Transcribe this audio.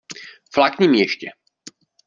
Flákni mi ještě!